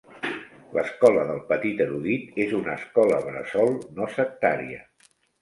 L'Escola del petit erudit és una escola bressol no sectària.